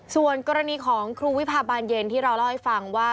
ส่วนกรณีของครูวิพาบานเย็นที่เราเล่าให้ฟังว่า